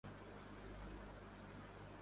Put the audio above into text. کچھ نہ کچھ روزِ ازل تم نے لکھا ہے تو سہی